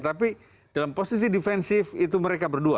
tapi dalam posisi defensif itu mereka berdua